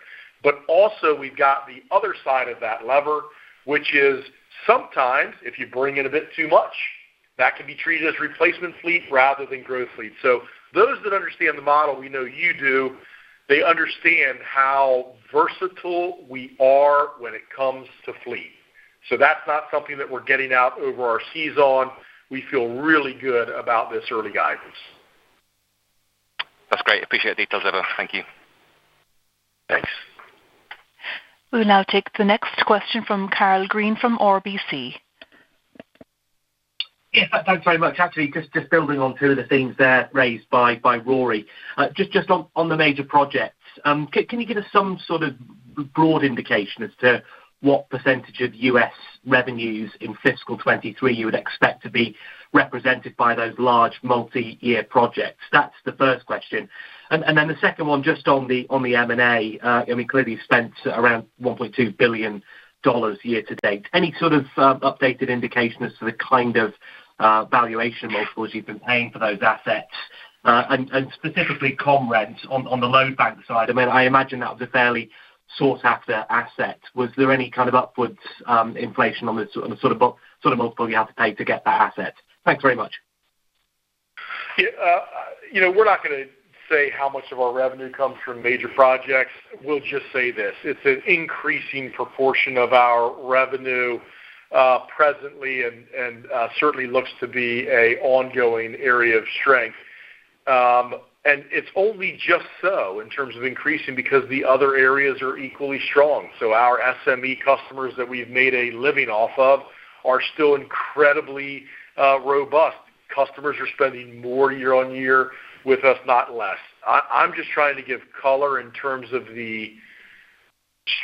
Also we've got the other side of that lever, which is sometimes if you bring in a bit too much, that can be treated as replacement fleet rather than growth fleet. Those that understand the model, we know you do, they understand how versatile we are when it comes to fleet. That's not something that we're getting out over our season. We feel really good about this early guidance. That's great. Appreciate the details, Brendan. Thank you. Thanks. We'll now take the next question from Karl Green from RBC. Yeah. Thanks very much. Actually, just building on two of the things there raised by Rory. Just on the major projects. Can you give us some sort of broad indication as to what percentage of U.S. revenues in fiscal 2023 you would expect to be represented by those large multi-year projects? That's the first question. Then the second one just on the M&A. I mean, clearly you spent around $1.2 billion year to date. Any sort of updated indication as to the kind of valuation multiples you've been paying for those assets, and specifically ComRent on the load bank side. I mean, I imagine that was a fairly sought after asset. Was there any kind of upwards inflation on the sort of multiple you have to pay to get that asset? Thanks very much. Yeah, you know, we're not gonna say how much of our revenue comes from major projects. We'll just say this, it's an increasing proportion of our revenue, presently and certainly looks to be an ongoing area of strength. It's only just so in terms of increasing because the other areas are equally strong. Our SME customers that we've made a living off of are still incredibly robust. Customers are spending more year-over-year with us, not less. I'm just trying to give color in terms of the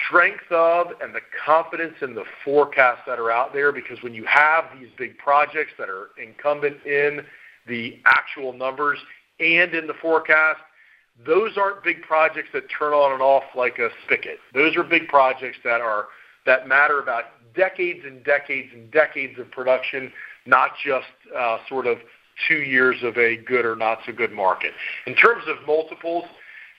strength of and the confidence in the forecasts that are out there, because when you have these big projects that are inherent in the actual numbers and in the forecast, those aren't big projects that turn on and off like a spigot. Those are big projects that matter about decades and decades and decades of production, not just sort of two years of a good or not-so-good market. In terms of multiples,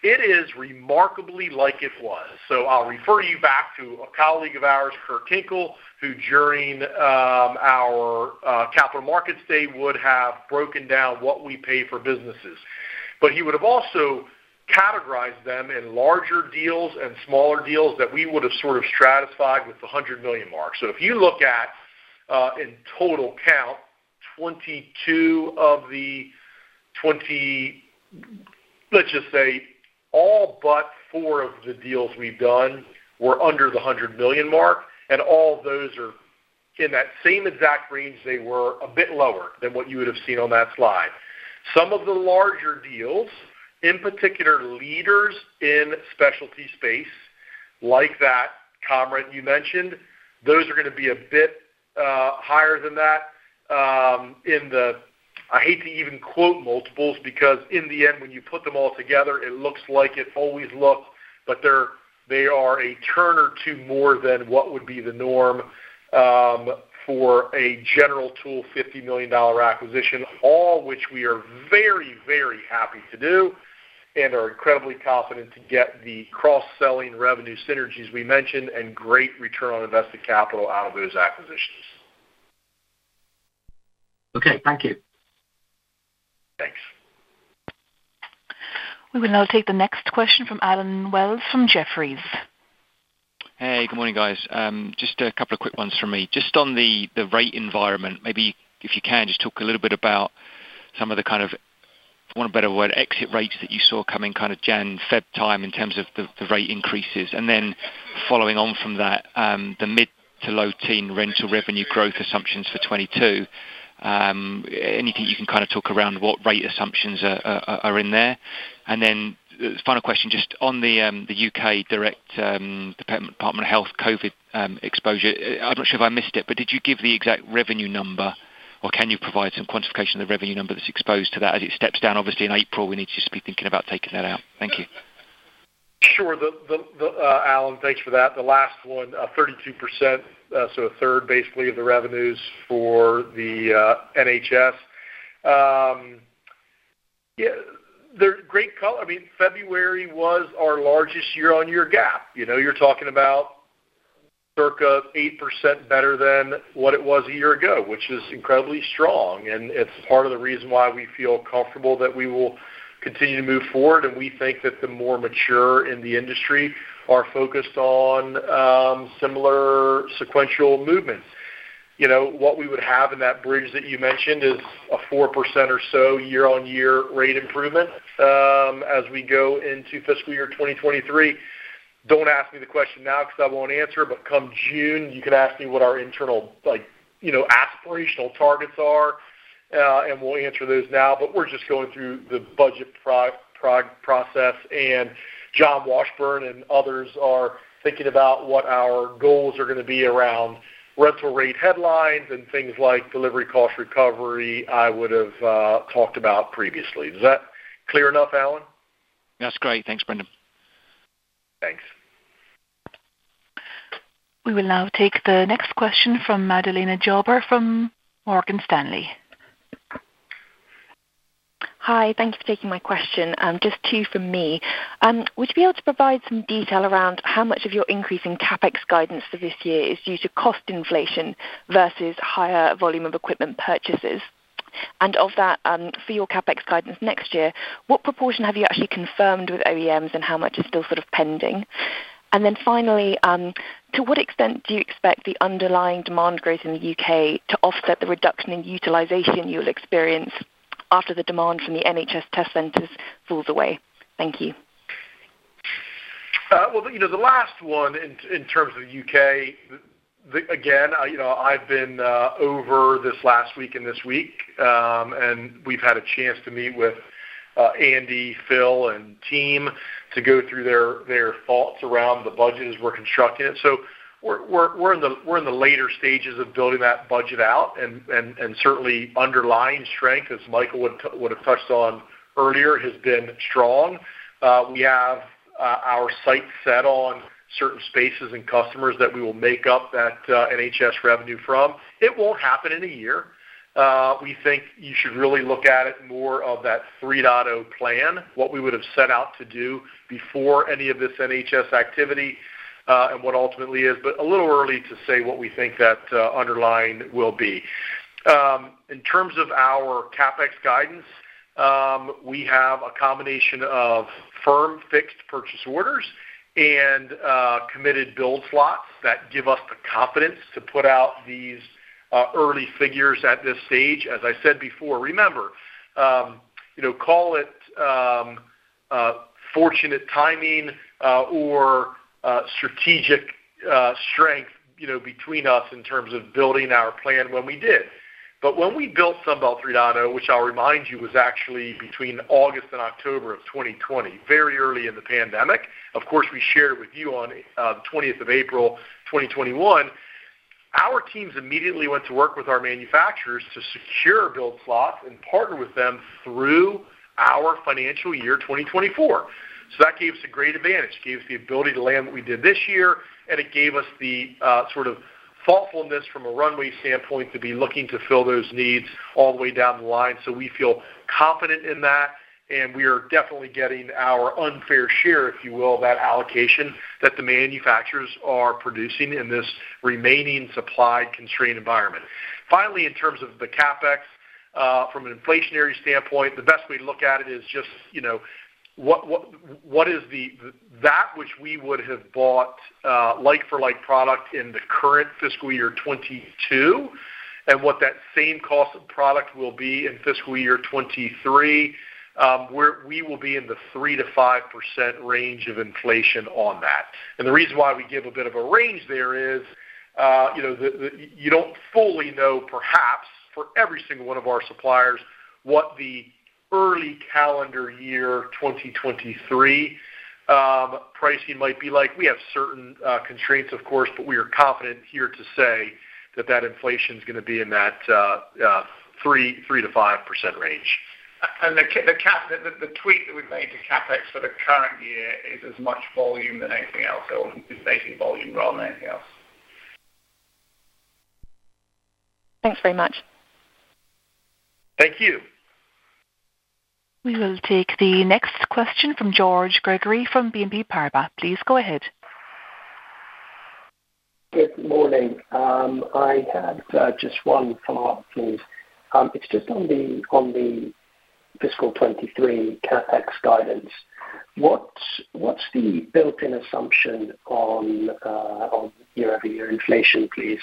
it is remarkably like it was. I'll refer you back to a colleague of ours, Kirk Hinkle, who during our Capital Markets Day would have broken down what we pay for businesses. He would have also categorized them in larger deals and smaller deals that we would have sort of stratified with the $100 million mark. If you look at in total count, 22 of the 20. Let's just say all but four of the deals we've done were under the $100 million mark, and all of those are in that same exact range, they were a bit lower than what you would have seen on that slide. Some of the larger deals, in particular leaders in the specialty space like that ComRent you mentioned, those are gonna be a bit higher than that. I hate to even quote multiples because in the end, when you put them all together, it looks like it always looks. But they are a turn or two more than what would be the norm for a general tool $50 million acquisition, all of which we are very, very happy to do and are incredibly confident to get the cross-selling revenue synergies we mentioned and great return on invested capital out of those acquisitions. Okay, thank you. Thanks. We will now take the next question from Allen Wells from Jefferies. Hey, good morning, guys. Just a couple of quick ones from me. Just on the rate environment, maybe if you can just talk a little bit about some of the kind of, for want of a better word, exit rates that you saw coming kind of January, February time in terms of the rate increases. Following on from that, the mid- to low-teens% rental revenue growth assumptions for 2022, anything you can kind of talk around what rate assumptions are in there? Final question, just on the U.K. direct Department of Health COVID exposure. I'm not sure if I missed it, but did you give the exact revenue number, or can you provide some quantification of the revenue number that's exposed to that as it steps down? Obviously, in April, we need to just be thinking about taking that out. Thank you. Sure. Allen Wells, thanks for that. The last one, 32%, so a third basically of the revenues for the NHS. Yeah, they're great color. I mean, February was our largest year-on-year gap. You know, you're talking about circa 8% better than what it was a year ago, which is incredibly strong, and it's part of the reason why we feel comfortable that we will continue to move forward, and we think that the more mature in the industry are focused on similar sequential movements. You know, what we would have in that bridge that you mentioned is a 4% or so year-on-year rate improvement, as we go into fiscal year 2023. Don't ask me the question now because I won't answer it, but come June, you can ask me what our internal like, you know, aspirational targets are, and we'll answer those now. But we're just going through the budget process, and John Washburn and others are thinking about what our goals are gonna be around rental rate headlines and things like delivery cost recovery I would have talked about previously. Is that clear enough, Allen? That's great. Thanks, Brendan. Thanks. We will now take the next question from Magdalena Stoklosa from Morgan Stanley. Hi. Thank you for taking my question. Just two from me. Would you be able to provide some detail around how much of your increase in CapEx guidance for this year is due to cost inflation versus higher volume of equipment purchases? For your CapEx guidance next year, what proportion have you actually confirmed with OEMs, and how much is still sort of pending? Then finally, to what extent do you expect the underlying demand growth in the U.K. to offset the reduction in utilization you'll experience after the demand from the NHS test centers falls away? Thank you. Well, you know, the last one in terms of U.K. Again, you know, I've been over this last week and this week, and we've had a chance to meet with Andy, Phil and team to go through their thoughts around the budget as we're constructing it. We're in the later stages of building that budget out, and certainly underlying strength, as Michael would have touched on earlier, has been strong. We have our sights set on certain spaces and customers that we will make up that NHS revenue from. It won't happen in a year. We think you should really look at it more as that 3.0 plan, what we would have set out to do before any of this NHS activity, and what ultimately is, but a little early to say what we think that underlying will be. In terms of our CapEx guidance, we have a combination of firm fixed purchase orders and committed build slots that give us the confidence to put out these early figures at this stage. As I said before, remember, you know, call it fortunate timing or strategic strength, you know, between us in terms of building our plan when we did. When we built Sunbelt 3.0, which I'll remind you was actually between August and October of 2020, very early in the pandemic, of course, we shared with you on the 20th of April 2021, our teams immediately went to work with our manufacturers to secure build slots and partner with them through our financial year 2024. That gave us a great advantage. It gave us the ability to land what we did this year, and it gave us the sort of thoughtfulness from a runway standpoint to be looking to fill those needs all the way down the line. We feel confident in that, and we are definitely getting our unfair share, if you will, of that allocation that the manufacturers are producing in this remaining supply-constrained environment. Finally, in terms of the CapEx, from an inflationary standpoint, the best way to look at it is just, you know, that which we would have bought like for like product in the current fiscal year 2022 and what that same cost of product will be in fiscal year 2023, where we will be in the 3%-5% range of inflation on that. The reason why we give a bit of a range there is, you know, you don't fully know perhaps for every single one of our suppliers what the early calendar year 2023 pricing might be like. We have certain contracts of course, but we are confident here to say that that inflation's gonna be in that 3%-5% range. The tweak that we've made to CapEx for the current year is as much volume than anything else. It's basically volume rather than anything else. Thanks very much. Thank you. We will take the next question from George Gregory from Exane BNP Paribas. Please go ahead. Good morning. I had just one follow-up, please. It's just on the fiscal 2023 CapEx guidance. What's the built-in assumption on year-over-year inflation, please,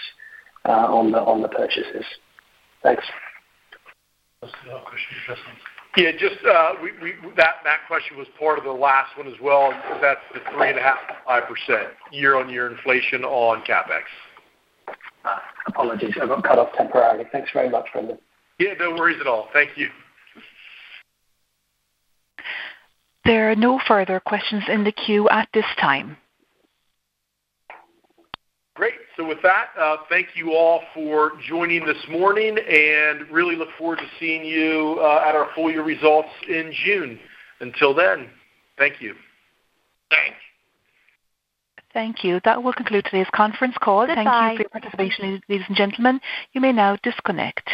on the purchases? Thanks. Yeah, just that question was part of the last one as well. That's the 3.5%-5% year-on-year inflation on CapEx. Apologies. I got cut off temporarily. Thanks very much, Brendan. Yeah, no worries at all. Thank you. There are no further questions in the queue at this time. Great. With that, thank you all for joining this morning and I really look forward to seeing you at our full year results in June. Until then, thank you. Thanks. Thank you. That will conclude today's conference call. Thank you for your participation, ladies and gentlemen. You may now disconnect.